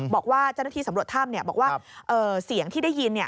บอกว่าเจ้าหน้าที่สำรวจถ้ำบอกว่าเสียงที่ได้ยิน